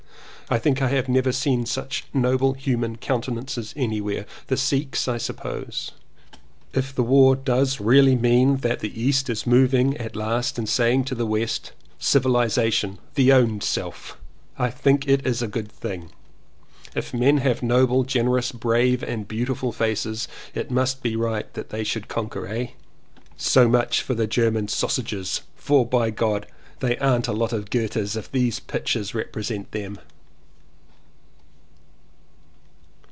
I think I have never seen such noble human countenances an3rwhere. The Sikhs, I suppose. If the war does really mean that the East is moving at last and saying to the West 'Civilization thee ownself, I think it is a good thing. If men have noble, generous, brave and beautiful faces it must 259 CONFESSIONS OF TWO BROTHERS be right that they should conquer, eh? So much for the German sausages, for by God they aren't a lot of Goethes if these pictures represent them."